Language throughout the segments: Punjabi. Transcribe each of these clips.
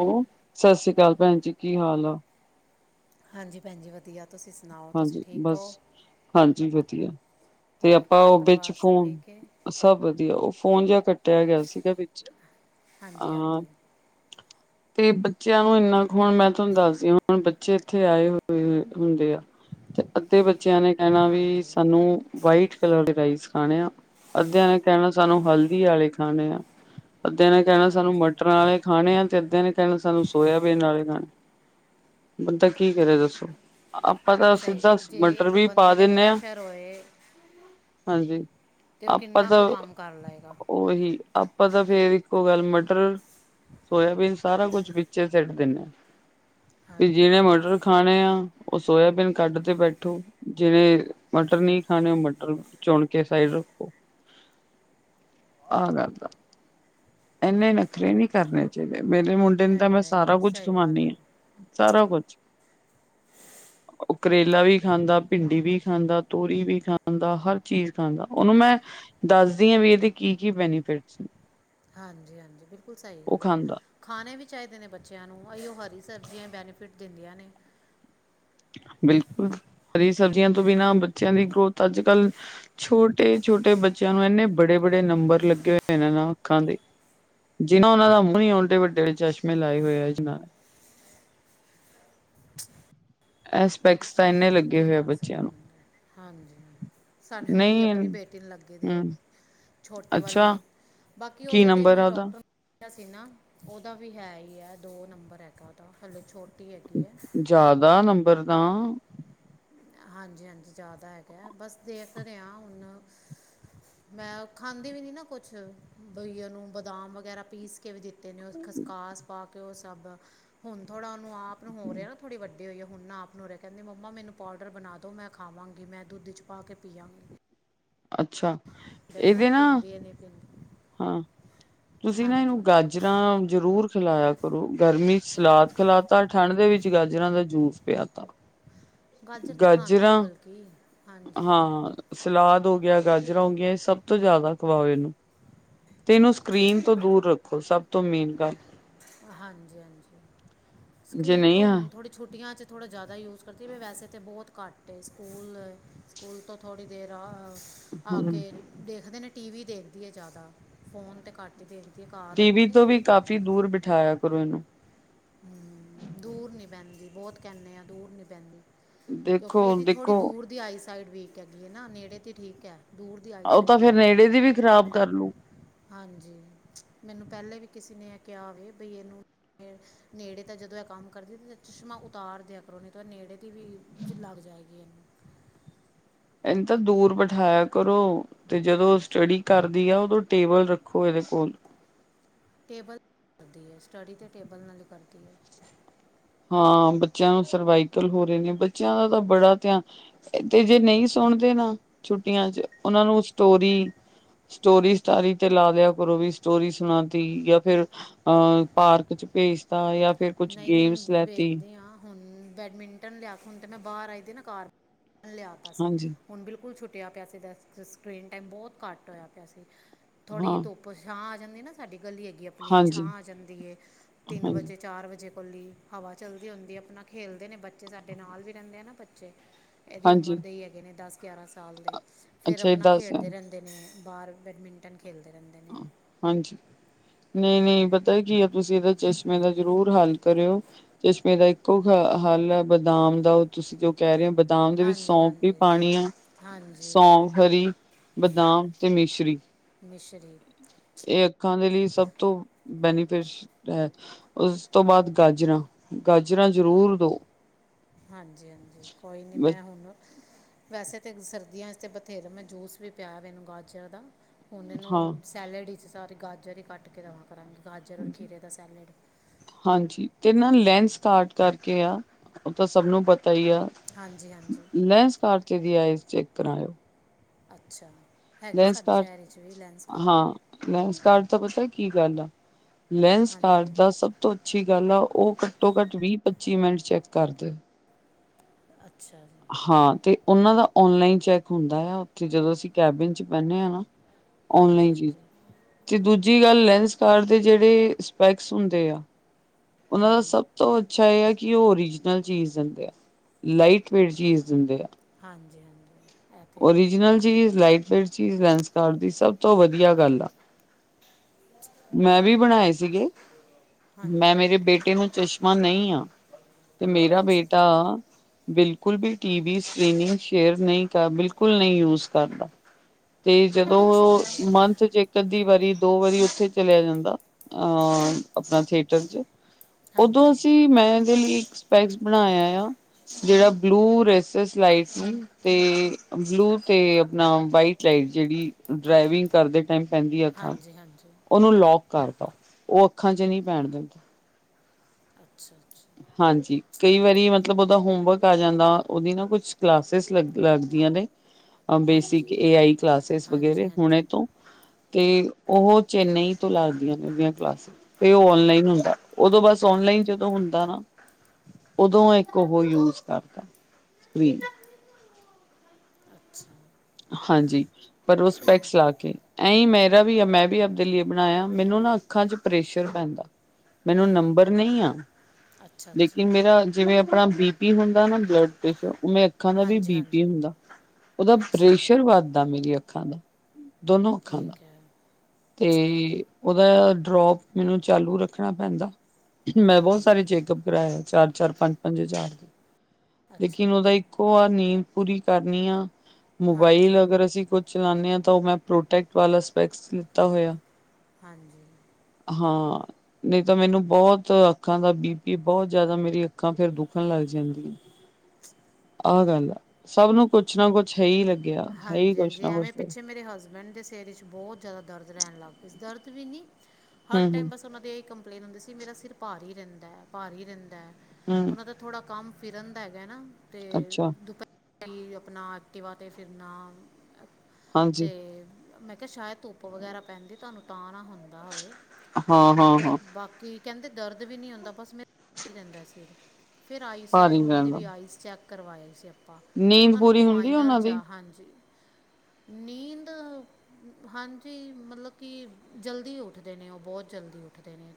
ਹੋ ਸਤਿ ਸ੍ਰੀ ਅਕਾਲ ਭੈਣ ਜੀ ਕੀ ਹਾਲ ਆ। ਹਾਂਜੀ ਭੈਣ ਜੀ ਵਧੀਆ ਤੁਸੀਂ ਸੁਣਾਓ ਤੁਸੀਂ ਹਾਂਜੀ ਠੀਕ ਬਸ ਹੋ? ਹਾਂਜੀ ਵਧੀਆ ਤੇ ਹੋਰ ਆਪਾਂ ਘਰ ਉਹ ਵਿੱਚ ਪਰਿਵਾਰ ਸਭ ਫੋਨ ਠੀਕ ਹੈ ਸਭ ਵਧੀਆ ਉਹ ਫੋਨ ਜਿਹਾ ਕੱਟਿਆ ਗਿਆ ਸੀਗਾ ਵਿੱਚ ਆ ਹਾਂਜੀ ਹਾਂ ਸਟ। ਹਾਂਜੀ ਤੇ ਬੱਚਿਆਂ ਨੂੰ ਇੰਨਾ ਕੁ ਹੁਣ ਮੈਂ ਤੁਹਾਨੂੰ ਦੱਸਦੀ ਹਾਂ ਹੁਣ ਬੱਚੇ ਇੱਥੇ ਆਏ ਹੋਏ ਹੁੰਦੇ ਆ। ਤੇ ਅੱਧੇ ਬੱਚਿਆਂ ਨੇ ਕਹਿ ਨਾ ਵੀ ਹਾਂਜੀ ਸਾਨੂੰ ਵਾਈਟ ਕਲਰ ਦੇ ਰਾਈਸ ਖਾਣੇ ਆ ਅੱਧਿਆਂ ਨੇ ਕਹਿਣਾ ਸਾਨੂੰ ਹਲਦੀ ਆਲੇ ਖਾਣੇ ਆ ਅੱਧੇ ਨੇ ਕਹਿਣਾ ਸਾਨੂੰ ਹਾਂਜੀ ਮਟਰਾ ਵਾਲੇ ਖਾਣੇ ਆ ਤੇ ਅੱਧੇ ਨੇ ਕਹਿਣਾ ਸਾਨੂੰ ਸੋਇਆਬੀਨ ਆਲੇ ਖਾਣੇ ਬੰਦਾ ਕੀ ਕਰੇ ਦੱਸੋ ਅ ਪਤਾ ਸਹੀ ਸਿੱਧਾਂ ਗੱਲ ਜੇ ਮਟਰ ਇੱਕ ਵੀ ਪਾ ਬੰਦੇ 'ਤੇ ਦਿੰਦੇ ਹਾਂ ਪ੍ਰੈਸ਼ਰ ਹੋਏ ਹਾਂਜੀ ਉਹ ਆਪਾਂ ਕਿੰਨਾ ਤਾਂ ਕੁ ਕੰਮ ਕਰ ਲਏਗਾ ਉਹੀ ਆਪਾਂ ਤਾਂ ਫੇਰ ਇੱਕੋ ਗੱਲ ਮਟਰ ਸੋਇਆਬੀਨ ਸਾਰਾ ਕੁਛ ਵਿੱਚੇ ਸਿਟ ਦਿੰਦੇ ਹਾ ਵੀ ਹਾਂਜੀ ਜਿਹਨੇ ਮਟਰ ਖਾਣੇ ਆ ਉਹ ਸੋਇਆਬੀਨ ਕੱਢ ਤੇ ਬੈਠੋ ਜਿਨੇ ਮਟਰ ਨਹੀਂ ਖਾਣੇ ਉਹ ਮਟਰ ਚੁਣ ਕੇ ਸਾਈਡ ਰੱਖੋ ਆ ਕਰਤਾ। ਇੰਨੇ ਨਖਰੇ ਨਹੀਂ ਕਰਨੇ ਚਾਹੀਦੇ ਮੇਰੇ ਮੁੰਡੇ ਨੂੰ ਤਾਂ ਨਹੀਂ ਮੈਂ ਸਾਰਾ ਨਹੀਂ ਕੁੱਝ ਸਹੀ ਗੱਲ ਖਵਾਉਂਣੀ ਆ ਹੈ ਸਾਰਾ ਕੁਛ। ਉਹ ਕਰੇਲਾ ਵੀ ਖਾਂਦਾ ਭਿੰਡੀ ਵੀ ਖਾਂਦਾ ਤੋਰੀ ਵੀ ਖਾਂਦਾ ਹਰ ਚੀਜ਼ ਖਾਂਦਾ ਉਹਨੂੰ ਮੈਂ ਅ ਦੱਸਦੀ ਹਾਂ ਵੀ ਇਹਦੇ ਕੀ ਕੀ ਬੈਨੀਫਿਟਸ। ਹਾਂਜੀ-ਹਾਂਜੀ ਬਿਲਕੁਲ ਸਹੀ ਉਹ ਗੱਲ ਹੈ ਖਾਂਦਾ ਅ। ਖਾਣੇ ਵੀ ਚਾਹੀਦੇ ਨੇ ਬੱਚਿਆਂ ਨੂੰ ਅ ਉਹ ਹਰੀ ਸਬਜ਼ੀਆਂ ਬੈਨੀਫਿਟ ਦਿੰਦੀਆਂ ਨੇ। ਬਿਲਕੁਲ ਹਰੀ ਸਬਜ਼ੀਆਂ ਤੋਂ ਬਿਨਾਂ ਬੱਚਿਆਂ ਦੀ ਗਰੋਥ ਅੱਜ ਕੱਲ ਸ ਛੋਟੇ-ਛੋਟੇ ਬੱਚਿਆਂ ਨੂੰ ਇੰਨੇ ਬੜੇ-ਬੜੇ ਨੰਬਰ ਲੱਗੇ ਹੋਏ ਹਾਂ ਅੱਖਾਂ ਦੇ ਜਿਨਾ ਉਹਨਾਂ ਦਾ ਮੂੰਹ ਨੀ ਐਡੇ ਵੱਡੇ ਚਸ਼ਮੇ ਲਾਏ ਹੋਏ ਆ ਜਿਨ੍ਹਾਂ ਨੇ। ਐਸਪੈਕਸ ਤਾਂ ਏਨਾ ਲੱਗ ਕੀ ਕਰ ਸਕਦਾ ਹਾਂਜੀ ਸਾਨੂੰ ਮੇਰੀ ਨਹੀਂ ਆਪਣੀ ਬੇਟੀ ਨੂੰ ਲੱਗੇ ਹੂੰ ਦੇ। ਛੋਟੇ ਵਾਲੀ ਅੱਛਾ ਨੂੰ ਬਾਕੀ ਕੀ ਉਹਦਾ ਤੇ ਨੰਬਰ ਮੈਂ ਆ ਉਹਦਾ ਡਾਕਟਰ ਨ ਸੀ ਨਾ ਉਹਦਾ ਵੀ ਹੈ ਹੀ ਹੈ ਦੋ ਨੰਬਰ ਹੈਗਾ ਉਹਦਾ ਹਲੇ ਛੋਟੀ ਹੈਗੀ ਹੈ। ਜ਼ਿਆਦਾ ਨੰਬਰ ਤਾਂ ਹਾਂਜੀ ਹਾਂਜੀ ਜ਼ਿਆਦਾ ਹੈਗਾ ਬਸ ਦੇਖ ਰਿਹਾਂ ਹੁਣ ਮੈਂ ਖਾਂਦੀ ਵੀ ਨੀ ਨਾ ਕੁਛ ਬਈ ਉ ਨੂੰ ਬਦਾਮ ਵਗੈਰਾ ਪੀਸ ਕੇ ਕੇ ਵੀ ਦਿੱਤੇ ਨੇ ਉਹ ਖਸਕਾਸ ਪਾ ਕੇ ਉਹ ਸਭ ਹੁਣ ਥੋੜਾ ਉਹਨੂੰ ਆਪ ਨੂੰ ਹੋ ਰਿਹਾ ਨਾ ਥੋੜੀ ਵੱਡੀ ਹੋਈ ਆ ਹੁਣ ਨਾ ਆਪ ਨੂੰ ਉਰੇ ਕਹਿੰਦੀ ਮੰਮਾ ਮੈਨੂੰ ਪਾਊਡਰ ਬਣਾ ਦੋ ਮੈਂ ਖਾਵਾਂਗੀ ਮੈਂ ਦੁੱਧ ਚ ਪਾ ਕੇ ਪੀਵਾਂਗੀ। ਅੱਛਾ ਦੇਖੋ ਇਹਦੇ ਨਾ ਪੀਂਦੀ ਹੈ ਨਹੀਂ ਪੀਂਦੀ ਹਾਂ ਤੁਸੀਂ ਨਾ ਇਹਨੂੰ ਹਾਂਜੀ ਗਾਜਰ ਗਾਜਰਾਂ ਜ਼ਰੂਰ ਖਿਲਾਇਆ ਕਰੋ ਗਰਮੀ ਚ ਸਲਾਦ ਖਿਲਾ ਤਾ ਠੰਡ ਦੇ ਵਿੱਚ ਗਾਜਰਾਂ ਦਾ ਜੂਸ ਪਿਆ ਤਾ ਗਾਜਰ ਤਾਂ ਖਾਂਦੀ ਹੈ, ਬਲਕਿ ਹਾਂਜੀ। ਹਾਂ ਸਲਾਦ ਹੋ ਗਿਆ, ਗਾਜਰਾਂ ਹੋ ਗਈਆਂ, ਇਹ ਸਭ ਤੋਂ ਜ਼ਿਆਦਾ ਖਵਾਓ ਇਹਨੂੰ। ਤੇ ਇਹਨੂੰ ਸਕਰੀਨ ਤੋਂ ਦੂਰ ਰੱਖੋ ਸਭ ਤੋਂ ਮੇਨ ਗੱਲ। ਹਾਂਜੀ ਹਾਂਜੀ ਜੇ ਸਕਰੀਨ ਨਹੀਂ ਤੋਂ ਆ ਹੁਣ ਥੋੜ੍ਹੀ ਛੁੱਟੀਆਂ ਚ ਥੋੜ੍ਹਾ ਜ਼ਿਆਦਾ ਯੂਜ਼ ਕਰਤੀ ਵੀ ਵੈਸੇ ਤਾਂ ਬਹੁਤ ਘੱਟ ਸਕੂਲ ਸਕੂਲ ਤੋਂ ਥੋੜ੍ਹੀ ਦੇਰ ਆ ਆ ਕੇ ਦੇਖਦੇ ਨੇ ਟੀ ਵੀ ਦੇਖਦੀ ਐ ਜ਼ਿਆਦਾ, ਫੋਨ ਤੇ ਘੱਟ ਹੀ ਦੇਖਦੀ ਹੈ। ਘਰ ਟੀ ਹੋਏ ਵੀ ਤਾਂ ਤੋਂ ਵੀ ਕਾਫ਼ੀ ਦੂਰ ਬਿਠਾਇਆ ਕਰੋ ਇਹਨੂੰ। ਹੂੰ ਦੂਰ ਨਹੀਂ ਬਹਿੰਦੀ ਬਹੁਤ ਕਹਿੰਦੇ ਹਾਂ ਦੂਰ ਨਹੀਂ ਬਹਿੰਦੀ। ਕਿਉਂਕਿ ਦੇਖੋ ਇਹਦੀ ਥੋੜ੍ਹੀ ਦੇਖੋ ਦੂਰ ਦੀ ਆਈ ਸਾਈਡ ਵੀਕ ਹੈਗੀ ਹੈ ਨਾ ਨੇੜੇ ਤੇ ਠੀਕ ਹੈ ਦੂਰ ਉਹਦੀ ਉਹ ਤਾਂ ਆਈਸਾਇਡ ਫੇਰ ਵੀਕ ਨੇੜੇ ਦੀ ਵੀ ਖ਼ਰਾਬ ਕਰ ਹੈ। ਲੂ ਹਾਂਜੀ ਮੈਨੂੰ ਪਹਿਲੇ ਵੀ ਕਿਸੇ ਨੇ ਇਹ ਕਿਹਾ ਹੋਵੇ ਬਈ ਇਹਨੂੰ ਨੇੜੇ ਤਾਂ ਜਦੋਂ ਇਹ ਕੰਮ ਕਰਦੀ ਤਾਂ ਚਸ਼ਮਾਂ ਉਤਾਰ ਦਿਆ ਕਰੋ ਉਹਨੇ ਤਾਂ ਨੇੜੇ ਦੀ ਵੀ ਲੱਗ ਜਾਏਗੀ ਇਹਨੂੰ। ਇਹਨੂੰ ਤਾਂ ਦੂਰ ਬਿਠਾਇਆ ਕਰੋ। ਤੇ ਜਦੋਂ ਸਟੱਡੀ ਕਰਦੀ ਐ, ਉਦੋਂ ਟੇਬਲ ਰੱਖੋ ਇਹਦੇ ਕੋਲ। ਟੇਬਲ ਕਰਦੀ ਹੈ, ਸਟੱਡੀ ਤੇ ਟੇਬਲ ਨਾਲ ਹੀ ਕਰਦੀ ਹੈ। ਹਾਂ, ਬੱਚਿਆਂ ਨੂੰ ਸਰਵਾਈਕਲ ਹੋ ਰਹੇ ਨੇ। ਬੱਚਿਆਂ ਦਾ ਤਾਂ ਬੜਾ ਧਿਆਨ ਤੇ ਜੇ ਨਹੀਂ ਸੁਣਦੇ ਨਾ ਛੁੱਟੀਆਂ ਚ ਉਹਨਾ ਨੂੰ ਸਟੋਰੀ ਸਟੋਰੀ ਸਟਾਰੀ ਤੇ ਲਾ ਦਿਆ ਕਰੋ ਵੀ ਸਟੋਰੀ ਸੁਣਾਤੀ ਜਾਂ ਫਿਰ ਅ ਪਾਰਕ ਚ ਭੇਜਤਾ ਜਾਂ ਫਿਰ ਕੁਛ ਗੇਮਸ ਲੈਤੀ ਵੇਖਦੀ ਹਾਂ ਹੁਣ ਬੈਡਮਿੰਟਨ ਲਿਆ ਹੁਣ ਤੇ ਮੈਂ ਬਾਹਰ ਆਈ ਦੀ ਨਾ ਕਾਰ ਲਿਆ। ਸੀ ਹਾਂਜੀ ਹੁਣ ਬਿਲਕੁਲ ਛੁੱਟਿਆ ਪਿਆ ਸੀ। ਸਕਰੀਨ ਟਾਈਮ ਬਹੁਤ ਘੱਟ ਹੋਇਆ ਪਿਆ ਸੀ। ਥੋੜ੍ਹੀ ਹੀ ਹਾਂ ਧੁੱਪ ਛਾਂ ਆ ਜਾਂਦੀ ਨਾ ਸਾਡੀ ਗਲੀ ਅੱਗੇ ਆਪਣੀ ਛਾਂ ਹਾਂਜੀ ਆ ਜਾਂਦੀ ਹੈ, ਤਿੰਨ ਹਾਂਜੀ ਵਜੇ ਚਾਰ ਵਜੇ ਕੋਲ ਈ ਹਵਾ ਚਲਦੀ ਹੁੰਦੀ ਏ ਆਪਣਾ ਖੇਲਦੇ ਨੇ ਬੱਚੇ ਸਾਡੇ ਨਾਲ ਵੀ ਰਹਿੰਦੇ ਆ ਨਾ ਬੱਚੇ। ਇਹਦੀ ਹਾਂਜੀ ਉਮਰ ਦੇ ਈ ਹੈਗੇ ਨੇ ਦਸ ਗਿਆਰਾਂ ਸਾਲ ਦੇ ਫਿਰ ਅੱਛਾ ਇਹ ਅਪਨਾ ਦੱਸ ਹੈ ਖੇਡਦੇ ਰਹਿੰਦੇ [unintelligible] ਬਾਹਰ ਬੈਡਮਿੰਟਨ ਖੇਲਦੇ ਰਹਿੰਦੇ ਨੇ। ਹਾਂਜੀ, ਨਹੀਂ ਨਹੀਂ ਪਤਾ ਕੀ ਐ ਤੁਸੀ ਇਹਦਾ ਚਸ਼ਮੇ ਦਾ ਜ਼ਰੂਰ ਹੱਲ ਕਰਿਓ। ਚਸ਼ਮੇ ਦਾ ਇੱਕੋ ਹੱਲ ਐ ਬਦਾਮ ਦਾ ਤੁਸੀਂ ਜੋ ਕਹਿ ਰਹੇ ਬਦਾਮ ਦੇ ਵਿੱਚ ਹਾਂਜੀ ਸੌਂਫ ਵੀ ਹਾਂਜੀ ਪਾਉਣੀ ਆ। ਹਾਂਜੀ ਸੌਂਫ ਹਰੀ, ਬਦਾਮ ਤੇ ਮਿਸ਼ਰੀ ਮਿਸ਼ਰੀ ਇਹ ਅੱਖਾਂ ਦੇ ਲਈ ਸਭ ਤੋਂ ਬੈਨੀਫਿਸ਼ਰੀ ਹੈ। ਉਸ ਤੋਂ ਬਾਅਦ ਗਾਜਰਾਂ। ਗਾਜਰਾਂ ਜ਼ਰੂਰ ਦੋ ਹਾਂਜੀ ਹਾਂਜੀ ਕੋਈ ਨਹੀਂ ਮੈਂ ਹੁਣ ਵੈਸੇ ਤਾਂ ਸਰਦੀਆਂ ਚ ਤੇ ਬਥੇਰਾ ਮੈਂ ਜੂਸ ਵੀ ਪਿਆਇਆ ਇਹਨੂੰ ਗਾਜਰ ਦਾ ਹੁਣ ਹਾਂ। ਇਹਨੂੰ ਸੈਲਡ ਵਿੱਚ ਸਾਰੀ ਗਾਜਰ ਹੀ ਕੱਟ ਕੇ ਦੇਵਾਂ ਕਰਾਂਗੀ ਗਾਜਰ ਔਰ ਖੀਰੇ ਦਾ ਸੈਲਡ। ਹਾਂਜੀ ਤੇ ਨਾ ਲੈਂਸ ਕਾਰਟ ਕਰਕੇ ਆ ਉਹ ਤਾਂ ਸਭ ਨੂੰ ਪਤਾ ਹੀ ਆ। ਹਾਂਜੀ ਹਾਂਜੀ ਲੈਂਸ ਕਾਰਟ ਤੇ ਵੀ ਆਇਜ਼ ਚੈੱਕ ਕਰਾ ਆਇਓ। ਅੱਛਾ ਹੈਗਾ ਐ ਸਾਡੇ ਸ਼ਹਿਰ ਵਿੱਚ ਵੀ ਲੈਂਸਕਾਰਟ। ਲੈਂਸਕਾਰਟ ਦਾ ਪਤਾ ਕੀ ਗੱਲ ਆ? ਲੈਂਸਕਾਰਟ ਹਾਂਜੀ ਦਾ ਸਭ ਸਭ ਤੋਂ ਅੱਛੀ ਗੱਲ ਆ। ਉਹ ਘੱਟੋ ਘੱਟ ਵੀਹ ਪੱਚੀ ਮਿੰਟ ਚੈੱਕ ਕਰਦੇ। ਅੱਛਾ ਜੀ। ਹਾਂ, ਤੇ ਉਹਨਾਂ ਦਾ ਔਨਲਾਈਨ ਚੈਕ ਹੁੰਦਾ ਆ ਉਥੇ ਜਦੋਂ ਅਸੀ ਕੈਬਿਨ ਚ ਬਹਿਨੇ ਆ ਨਾ। ਹਾਂਜੀ ਔਨਲਾਈਨ ਚੀਜ਼ ਹਾਂਜੀ ਤੇ ਦੂਜੀ ਗੱਲ ਲੈਂਸ ਕਾਰਟ ਤੇ ਜਿਹੜੇ ਸਪੈਕਸ ਹੁੰਦੇ ਆ, ਉਹਨਾਂ ਦਾ ਸਭ ਤੋਂ ਅੱਛਾ ਆ ਕਿ ਉਹ ਓਰੀਜਨਲ ਚੀਜ਼ ਦਿੰਦੇ ਐ, ਲਾਈਟ ਵੇਟ ਚੀਜ਼ ਦਿੰਦੇ ਐ। ਹਾਂਜੀ, ਹਾਂਜੀ। ਇਹ ਤਾਂ ਹੈ ਓਰੀਜਨਲ ਚੀਜ਼, ਲਾਈਟ ਵੇਟ ਚੀਜ਼ ਲੈਂਸ ਕਾਰਟ ਦੀ ਸਭ ਤੋ ਵਧੀਆ ਗੱਲ ਆ। [inaudible] ਮੈਂ ਵੀ ਬਣਾਏ ਸੀਗੇ, ਮੈਂ ਹਾਂਜੀ ਮੇਰੇ ਬੇਟੇ ਨੂੰ ਚਸ਼ਮਾ ਨਈ ਆ। ਤੇ ਮੇਰਾ ਅੱਛਾ ਬੇਟਾ ਅੱਛਾ ਬਿਲਕੁਲ ਵੀ ਟੀਵੀ ਸਕ੍ਰਿਨੀਂਗ ਸ਼ੇਅਰ ਨਈ, ਬਿਲਕੁਲ ਨਈ ਯੂਜ ਕਰਦਾ। ਤੇ ਜਦੋ ਬਹੁਤ ਅੱਛੀ ਓ ਗੱਲ ਹੈ ਇਹ ਤਾਂ ਮੰਥ ਚ ਇ ਇੱਕ ਅੱਧੀ ਵਾਰੀ, ਦੋ ਵਾਰੀ ਉਥੇ ਚਲਿਆ ਜਾਂਦਾ ਅ ਅਪਨਾ ਥੀਏਟਰ ਚ। ਹਾਂਜੀ ਓਦੋ ਹਾਂਜੀ ਅਸੀ ਮੈਂ ਇਹਦੇ ਲਈ ਇੱਕ ਸਪੈਕਸ ਬਨਾਇਆ ਆ। ਜਿਹੜਾ ਬਲੂ ਰੇਸਸ ਲਾਈਟ ਨੇ ਤੇ ਬਲੂ ਤੇ ਅਪਨਾ ਵਾਈਟ ਚਾਹੇ ਜਿਹੜੀ, ਡਰਾਵਿੰਗ ਕਰਦੇ ਟਾਈਮ ਪੈਂਦੀ ਅੱਖਾ ਹਾਂਜੀ ਹਾਂਜੀ ਉਹਨੂੰ ਲੌਕ ਕਰ ਦੋ, ਉਹ ਅੱਖਾਂ ਚ ਨੀ ਪੈਣ ਦਿੰਦੀ। ਅੱਛਾ-ਅੱਛਾ। ਹਾਂਜੀ, ਕਈ ਵਾਰੀ ਮਤਲਬ ਉਹਦਾ ਹੋਮਵਰਕ ਆ ਜਾਂਦਾ, ਉਹਦੀ ਨਾ ਕੁੱਛ ਕਲਾਸਿਸ ਲੱਗ ਲੱਗਦੀਆ ਨੇ। ਬੇਸਿਕ ਹਾਂਜੀ ਏ ਆਈ ਕਲਾਸਿਸ ਵਗੈਰੇ ਹਾਂਜੀ ਹੁਣੇ ਹਾਂਜੀ ਤੋ। ਤੇ ਓਹੋ ਚੇਨਈ ਤੋ ਲੱਗਦੀਆਂ ਨੇ ਇਹਦੀਆਂ ਕਲਾਸਿਸ। ਤੇ ਉਹ ਔਨਲਾਈਨ ਹੁੰਦਾ ਉਦੋ ਬੱਸ ਔਨਲਾਈਨ ਜਦੋ ਹੁੰ ਹੁੰਦਾ ਨਾ, ਓਦੋ ਇੱਕ ਉਹੋ ਯੂਜ ਕਰਦਾ [unintelligible] ਅੱਛਾ। ਹਾਂਜੀ, ਪਰ ਉਹ ਸਪੈਕਸ ਲਾ ਕੇ। ਆਈਂ ਮੇਰਾ ਵੀ ਆ ਮੈਂ ਵੀ ਆਪਦੇ ਲਿਏ ਬਣਾਇਆ ਮੈਨੂੰ ਨਾ ਅੱਖਾਂ ਚ ਪ੍ਰੈਸ਼ਰ ਪੈਂਦਾ। ਮੈਨੂੰ ਨੰਬਰ ਨਈ ਆਂ। ਅੱਛਾ ਅੱਛਾ ਲੇਕਿਨ ਮੇਰਾ ਜਿਵੇਂ ਅਪਣਾ ਬੀ ਪੀ ਹੁੰਦਾ ਨਾ ਬਲੱਡ ਪ੍ਰੈਸ਼ਰ ਉਵੇਂ ਅੱਖਾਂ ਦਾ ਬੀ ਹਾਂਜੀ ਬੀ ਪੀ ਹਾਂਜੀ ਹੁੰਦਾ ਉਹ ਅੱਛਾ ਵੱਧਦਾ ਮੇਰੀ ਅੱਖਾਂ ਦਾ, ਦੋਨੋ ਅੱਖਾਂ ਦਾ। ਠੀਕ ਹੈ ਤੇ ਉਹਦਾ ਡਰੋਪ ਮੈਨੂੰ ਚਾਲੂ ਰੱਖਣਾ ਪੈਂਦਾ। ਮੈਂ ਬਹੁਤ ਸਾਰੇ ਚੈਕਅਪ ਕਰਵਾਾਏ ਚਾਰ-ਚਾਰ ਪੰਜ-ਪੰਜ ਹਜ਼ਾਰ ਦੇ। ਅੱਛਾ ਲੇਕਿਨ ਉਹਦਾ ਅੱਛਾ ਇੱਕੋ ਵਾਰ ਨੀਂਦ ਪੂਰੀ ਕਰਨੀ ਆ ਹਾਂਜੀ ਮੋਬਾਈਲ ਅਗਰ ਅਸੀਂ ਕੁਛ ਚਲਾਨੇ ਆ ਤਾਂ ਉਹ ਮੈਂ ਪ੍ਰੋਟੈਕਟ ਵਾਲਾ ਸਪੈਕਸ ਲਿੱਤਾ ਹੋਇਆ। ਹਾਂਜੀ ਹਾਂ ਨਹੀਂ ਤਾਂ ਮੈਨੂੰ ਬਹੁਤ ਅੱਖਾਂ ਦਾ ਬੀ ਪੀ ਬਹੁਤ ਜਿਆਦਾ ਮੇਰੀ ਅੱਖਾਂ ਫੇਰ ਦੁਖਣ ਲੱਗ ਜਾਂਦੀ। ਹੂੰ [unintelligible] ਆਹ ਗੱਲ ਆ। ਸਭ ਨੂੰ ਕੁੱਛ ਨਾ ਕੁਛ ਹੈ ਹੀ ਲੱਗੀ ਹਾਂਜੀ-ਹਾਂਜੀ ਐਵੇਂ ਪਿੱਛੇ ਮੇਰੇ ਹਸਬੈਂਡ ਦੇ ਸਿਰ ਵਿੱਚ ਬਬਹੁਤ ਜ਼ਿਆਦਾ ਦਰਦ ਰਹਿਣ ਲੱਗ ਪਈ ਸੀ, ਦਰਦ ਵੀ ਨੀ, ਹਰ ਟੈਮ ਹੂੰ ਬੱਸ ਉਹਨਾਂ ਦੇ ਕੰਪ ਕੰਪਲੇਨ ਹੁੰਦੀ ਸੀ ਮੇਰਾ ਸਿਰ ਭਾਰੀ ਰਹਿੰਦਾ, ਭਾਰੀ ਰਹਿੰਦਾ ਹੂੰ ਉਹਨਾ ਦਾ ਥੋੜਾ ਕੰਮ ਫਿਰਨ ਦਾ ਹੈਗੈ ਨਾ ਤੇ ਅੱਛਾ ਦੁਪੈ [inaudible] ਅਪਨਾ ਐਕਟੀਵਾ ਤੇ ਫਿਰਨਾ, ਹਾਂਜੀ ਤੇ ਮੈਂ ਕਿਆ ਸ਼ਾਇਦ ਧੁੱਪ ਵਗੈਰਾ ਪੈਂਦੀ, ਤੁਹਾਨੂੰ ਤਾਂ ਨਾ ਹੁੰਦਾ ਹੋਏ, ਹਾਂ ਹਾਂ ਹਾਂ ਬਾਕੀ ਕਹਿੰਦੇ ਦਰਦ ਵੀ ਨੀ ਹੁੰਦਾ ਬਸ ਮੇਰਾ [inaudible] ਰਹਿੰਦਾ ਸਿਰ, ਫੇਰ ਆਈਸ [unintelligible] ਭਾਰੀ ਉਹਨਾ ਦੀ ਰਹਿੰਦਾ ਵੀ ਆਈਸ ਚੈੱਕ ਕਰਵਾਏ ਸੀ ਆਪਾ ਨੀਂਦ ਓਨਾਂ ਨੂੰ ਵੀ ਪੂਰੀ ਹੁੰਦੀ ਮਾਈਨਰ ਉਹਨਾਂ ਦੀ ਜਾ ਹਾਂਜੀ। ਨੀੰਦ ਹਾਂਜੀ ਮਤਲਬ ਕਿ ਜਲਦੀ ਉੱਠਦੇ ਨੇ ਉਹ ਬਹੁਤ ਜਲਦੀ ਉੱਠਦੇ ਨੇ।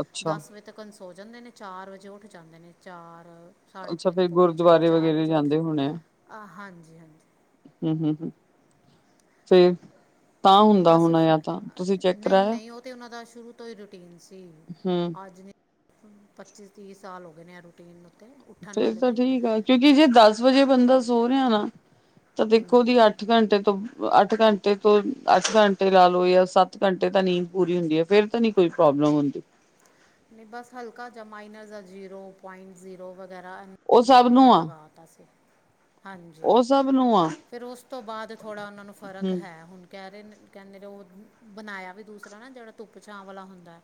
ਅੱਛਾ ਦੱਸ ਵਜੇ ਤੱਕਨ ਸੋ ਜਾਂਦੇ ਨੇ ਚਾਰ ਵਜੇ ਉੱਠ ਜਾਂਦੇ ਨੇ ਚਾਰ ਸਾਢੇ ਅੱਛਾ ਤਿੰਨ ਫਿਰ ਪੌਣੇ ਚਾਰ ਗੁਰਦੁਆਰੇ ਚਾਰ ਵਗੈਰਾ ਵਜੇ ਉੱਠ ਜਾਂਦੇ ਹੋਣੇ ਆ ਆਹ ਹਾਂਜੀ-ਹਾਂਜੀ। ਹੂੰ ਹੂੰ ਹੂੰ, ਫੇਰ ਤਾਂ ਹੁੰਦਾ ਬਸ ਹੋਣਾ ਆ ਤਾਂ ਤੁਸੀਂ ਫਿਰ- ਚੈੱਕ ਨਹੀਂ ਕਰਾਇਆ? ਨਹੀਂ ਉਹ ਤੇ ਉਹਨਾਂ ਦਾ ਸ਼ੁਰੂ ਤੋਂ ਹੀ ਰੂਟੀਨ ਸੀ। ਹੂੰ ਅੱਜ ਨਹੀਂ ਪੱਚੀ ਤੀਹ ਸਾਲ ਹੋ ਗਏ ਨੇ ਆ ਰੂਟੀਨ ਉੱਤੇ ਉੱਠਣ ਫੇਰ ਵਾਲੇ ਤਾਂ ਤੇ ਠੀਕ ਆ ਕਿਉਂਕਿ ਜੇ ਦਸ ਵਜੇ ਬੰਦਾ ਸੋ ਰਿਹਾ ਨਾ, ਤਾਂ ਦੇਖੋ ਉਹਦੀ ਅੱਠ ਅੱਠ ਘੰਟੇ ਤੋਂ ਅੱਠ ਘੰਟੇ ਤੋਂ ਅੱਠ ਘੰਟੇ ਲਾ ਲਓ ਜਾਂ ਸੱਤ ਘੰਟੇ ਤਾਂ ਨੀਂਦ ਪੂਰੀ ਹੁੰਦੀ ਹੈ ਫੇਰ ਤਾਂ ਨੀ ਕੋਈ ਪ੍ਰੋਬਲਮ ਹੁੰਦੀ ਨਹੀ ਬਸ ਹਲਕਾ ਜਿਹਾ ਮਾਈਨਰ ਦਾ ਜ਼ੀਰੋ ਪੁਆਇੰਟ ਜ਼ੀਰੋ ਵਗੈਰਾ ਉਹ ਸਭ ਡਾਕਟਰ ਨੂੰ ਨੇ ਆ ਲਗਾ ਤਾ ਸੀ ਹਾਂਜੀ। ਉਹ ਸਭ ਨੂੰ ਆ ਫਿਰ ਉਸ ਤੋਂ ਬਾਦ ਥੋੜ੍ਹਾ ਉਹਨਾਂ ਨੂੰ ਫ਼ਰਕ ਹਮ ਹੈ ਹੁਣ। ਕਹਿ ਰਹੇ ਨੇ ਕਹਿੰਦੇ ਨੇ ਉਹ ਬਣਾਇਆ ਵੀ ਦੂਸਰਾ ਨਾ ਜਿਹੜਾ ਧੁੱਪ ਛਾਂ ਵਾਲਾ ਹੁੰਦਾ।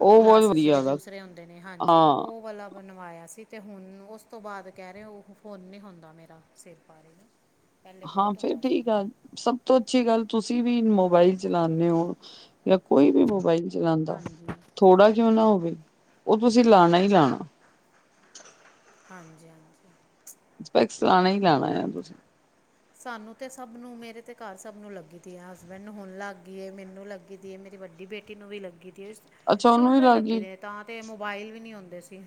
ਉਹ ਬਹੁਤ ਗਲਾਸਿਸ ਜਿਹੜੇ ਵਧੀਆ ਗਾ ਦੂਸਰੇ ਹੁੰਦੇ ਨੇ ਹਾਂਜੀ ਹਾਂ ਉਹ ਵਾਲਾ ਬਣਵਾਇਆ ਸੀ ਤੇ ਹੁਣ ਉਸ ਤੋ ਬਾਦ ਕਹਿ ਰਹੇ ਉਹ ਹੁਣ ਨੀ ਹੁੰਦਾ ਮੇਰਾ ਸਿਰ ਪੀੜ। ਹਾਂ ਫੇਰ ਠੀਕ ਆ। ਸਭ ਤੋਂ ਅੱਛੀ ਗੱਲ ਤੁਸੀਂ ਵੀ ਮੋਬਾਈਲ ਚਲਾਉਦੇ ਹੋ ਜਾਂ ਕੋਈ ਵੀ ਮੋਬਾਈਲ ਚਲਾਉਦਾ ਹਾਂਜੀ ਥੋੜਾ ਕਿਉ ਨਾ ਹੋਵੇ ਉਹ ਤੁਸੀ ਲਾਉਣਾ ਹੀ ਲਾਉਣਾ। ਹਾਂਜੀ-ਹਾਂਜੀ ਸਪੈਕਸ ਲਾਣਾ ਹੀ ਲਾਣਾ ਆ ਤੁਸੀ। ਸਾਨੂੰ ਤੇ ਸਭ ਨੂੰ ਮੇਰੇ ਤੇ ਘਰ ਸਭ ਨੂੰ ਲੱਗੀ ਦੀ ਹਸਬੈਂਡ ਹੁਣ ਲੱਗ ਗਈ ਏ ਮੈਨੂੰ ਲੱਗੀ ਦੀ ਏ ਮੇਰੀ ਵੱਡੀ ਬੇਟੀ ਨੂੰ ਵੀ ਲੱਗੀ ਤ ਅੱਛਾ ਸ਼ੁਰੂ ਉਹਨੂੰ ਵੀ ਤੋਂ ਹੀ ਲੱਗ ਲੱਗੀ ਗਈ ਦੇ ਤਾਂ ਤੇ ਮੋਬਾਇਲ ਵੀ ਨੀ ਹੁੰਦੇ ਸੀ।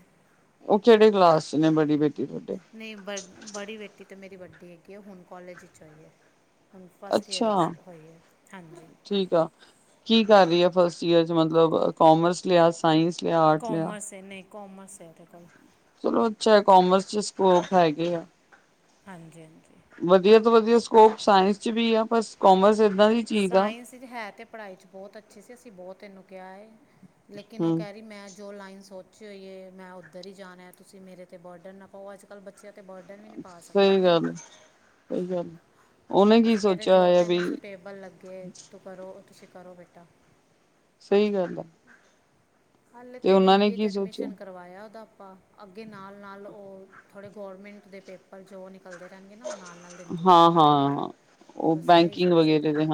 ਉਹ ਕਿਹੜੇ ਕਲਾਸ ਚ ਨੇ ਬੜੀ ਬੇਟੀ ਤੁਹਾਡੇ। ਨਹੀਂ ਬ ਬੜੀ ਬੇਟੀ ਤਾਂ ਮੇਰੀ ਵੱਡੀ ਹੈਗੀ ਹੈ ਹੁਣ ਕੋਲਜ ਇਚ ਹੋਈ ਏ। ਹੁਣ ਫਸਟ ਈਅਰ ਅੱਛਾ ਚ ਹੋਈ ਹੈ ਹਾਂਜੀ। ਠੀਕ ਆ ਕੀ ਕਰ ਰਹੀ ਆ ਫਸਟ ਈਅਰ ਚ ਮਤਲਬ ਕਾਮਰਸ ਲਿਆ ਸਾਇੰਸ ਲਿਆ, ਆਰਟ ਲਿਆ। ਕਾਮਰਸ ਹੈ ਨਹੀ ਕਾਮਰਸ ਹੈ ਇਹਦੇ ਕੋਲ। ਚਲੋ ਅੱਛਾ ਕੋਮਰਸ ਚ ਸਕੋਪ ਹੈਗੇ ਆ। ਹਾਂਜੀ-ਹਾਂਜੀ ਵਧੀਆ ਤੋਂ ਵਧੀਆ ਸਕੋਪ ਸਾਇੰਸ ਚ ਵੀ ਆ ਬਸ ਕੋਮਰਸ ਇਦਾਂ ਦੀ ਚੀਜ਼ ਆ ਸਾਇੰਸ ਹੈ ਤੇ ਪੜ੍ਹਾਈ ਚ ਬਹੁਤ ਅੱਛੀ ਸੀ ਅਸੀਂ ਬਹੁਤ ਇਨੂੰ ਕਿਹਾ ਹੈ ਲੇਕਿਨ ਉਹ ਹੂੰ। ਕਹਿ ਰਹੀ ਮੈਂ ਜੋ ਲਾਈਨ ਸੋਚੀ ਹੋਈ ਹੈ ਮੈਂ ਉੱਧਰ ਹੀ ਜਾਣਾ ਤੁਸੀਂ ਮੇਰੇ ਤੇ ਬਰਡਰ ਨਾ ਪਓ ਅੱਜ ਕੱਲ੍ਹ ਬੱਚਿਆ ਤੇ ਬੋ ਡਨ ਵੀ ਨੀ ਪਾ ਸਕਦਾ ਨਾ ਬੰਦਾ। ਸਈ ਗੱਲ। ਉਹਨੇ ਕੀ ਅਸੀ ਕਹਿ ਰਹੇ ਸੋਚਿਆ ਜੋ ਹੋਇਆ ਵੀ ਤੈਨੂੰ ਸੁਟੇਬਲ ਲੱਗੇ ਤੂੰ ਕਰੋ ਤੁਸੀਂ ਕਰੋ ਬੇਟਾ। ਸਹੀ ਗੱਲ ਆ। ਹਾਲੇ ਤੇ ਬੀ ਉਹਨਾਂ ਨੇ ਬੀ ਏ ਚ ਕੀ ਸੋਚਿਆ। ਐਡਮਿਸ਼ਨ ਕਰਵਾਇਆ ਓਦਾ ਆਪਾ। ਅੱਗੇ ਨਾਲ-ਨਾਲ ਓ ਥੋੜ੍ਹੇ ਗੌਰਮੈਂਟ ਦੇ ਪੇਪਰ ਜੋ ਨਿਕਲਦੇ ਰਹਿਣਗੇ ਨਾ ਔ ਨਾਲ-ਨਾਲ ਦੇੰਦੀ ਹਾਂ ਰੇਗੀ ਹਾਂ ਉਹ ਬਸ ਐ ਈ ਸੋਚੇਆ ਦਾ ਓਨੇ।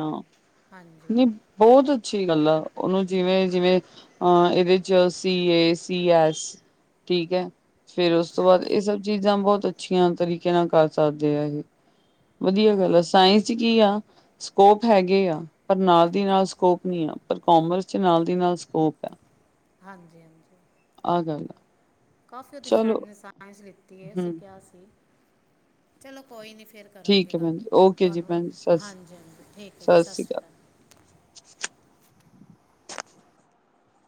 ਨੀ ਬੋਤ ਅੱਛੀ ਗੱਲ ਆ ਓਨੂੰ ਜਿਵੇਂ-ਜਿਵੇਂ ਅਹ ਇਹਦੇ ਚ ਸੀਏ, ਸੀ ਐਸ ਠੀਕ ਹੈ ਫੇਰ ਉਸ ਤੋਂ ਬਾਅਦ ਹਾਂਜੀ ਇਹ ਸਭ ਚੀ ਜਾ ਬਹੁਤ ਅੱਛੀਆਂ ਤਰੀਕੇ ਨਾਲ ਕਰ ਸਕਦੇ ਆ ਇਹ ਵਧੀਆ ਗੱਲ ਆ ਹਾਂਜੀ ਸਾਇੰਸ ਚ ਕੀ ਆ ਸਕੋਪ ਹੈਗੇ ਆ ਪਰ ਨਾਲ ਦੀ ਹਾਂਜੀ ਨਾਲ ਸਕੋਪ ਨੀ ਹੈ ਪਰ ਕੋਮਰਸ ਚ ਨਾਲ ਦੀ ਨਾਲ ਸਕੋਪ ਆ। ਹਾਂਜੀ-ਹਾਂਜੀ ਆਹ ਗੱਲ ਆ ਕਾਫੀ ਉਹਦੀ ਚਲੋ ਫਰੈਂਡ ਨੇ ਸਾਇੰਸ ਲਿੱਤੀ ਹੈ ਅਸੀ ਹਮ ਕਿਹਾ ਸੀ। ਚਲੋ ਕੋਈ ਨਹੀਂ ਫਿਰ ਕਰਾਂਗੇ ਠੀਕ ਹੈ ਗੱਲ ਭੈਣ ਜੀ ਓਕੇ ਜੀ ਤੁਹਾਨੂੰ ਭੈਣ ਜੀ ਸਤਿ ਹਾਂਜੀ-ਹਾਂਜੀ ਠੀਕ ਹੈ ਜੀ ਸਤਿ ਸ਼੍ਰੀ ਸਸ ਸ੍ਰੀ ਕਾਲ। [unintelligible]